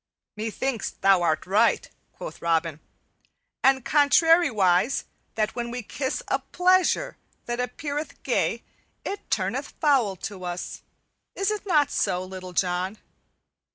"Methinks thou art right," quoth Robin, "and, contrariwise, that when we kiss a pleasure that appeareth gay it turneth foul to us; is it not so, Little John?